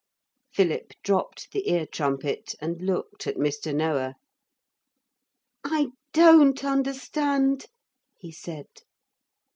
Philip dropped the ear trumpet and looked at Mr. Noah. 'I don't understand,' he said.